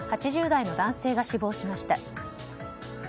８０代の男性が死亡しました。